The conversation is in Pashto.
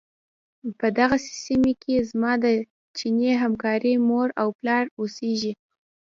په دغې سيمې کې زما د چيني همکارې مور او پلار اوسيږي.